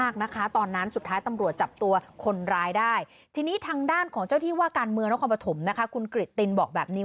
คุณกริตินบอกแบบนี้